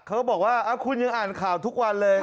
เขาบอกว่าคุณยังอ่านข่าวทุกวันเลย